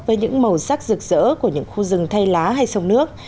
với những màu sắc rực rỡ của những khu rừng thay lá hay sông nước